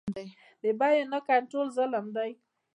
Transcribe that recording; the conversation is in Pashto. د بیو نه کنټرول ظلم دی.